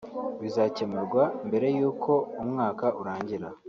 bizacyemurwa mbere y’uko umwaka urangira